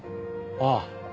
ああ。